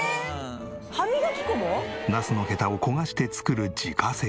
ナスのヘタを焦がして作る自家製。